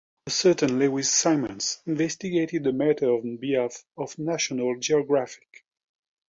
A certain Lewis Simons investigated the matter on behalf of National Geographic.